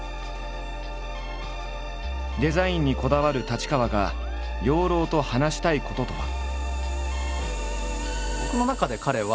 デザインにこだわる太刀川が養老と話したいこととは。